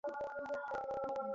তবে আমারও আটকে গিয়েছিল একবার।